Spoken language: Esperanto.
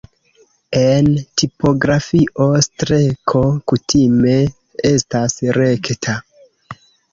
En tipografio streko kutime estas rekta.